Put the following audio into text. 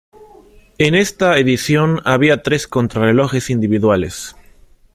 En esta edición había tres contrarrelojes individuales.